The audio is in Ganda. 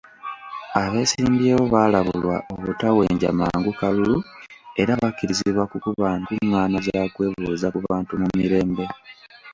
Abeesimbyewo baalabulwa obutawenja mangu kalulu era bakkirizibwa kukuba nkungaana za kwebuuza ku bantu mu mirembe.